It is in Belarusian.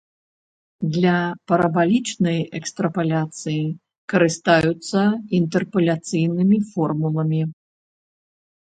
Для парабалічнай экстрапаляцыі карыстаюцца інтэрпаляцыйнымі формуламі.